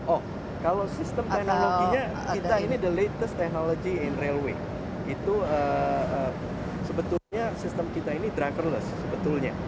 oh kalau sistem teknologinya kita ini the latest technology in railway itu sebetulnya sistem kita ini driverless sebetulnya